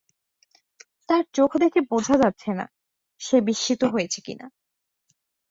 তার চোখ দেখে বোঝা যাচ্ছে না সে বিস্মিত হয়েছে কি না।